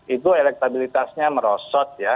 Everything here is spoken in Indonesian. itu elektabilitasnya merosot ya